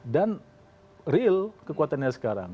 dan real kekuatannya sekarang